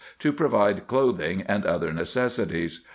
to provide cloth ing and other necessities.